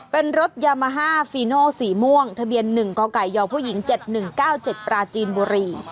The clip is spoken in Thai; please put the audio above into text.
เป็นรถยามาฮ่าฟีโนสีม่วงทะเบียน๑กไก่ยผู้หญิง๗๑๙๗ปราจีนบุรี